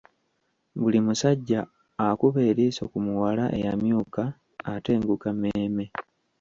Buli musajja akuba eriiso ku muwala eyamyuka etenguka emmeeme.